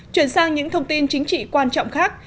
chuyển sang những thông tin chính trị quan trọng khác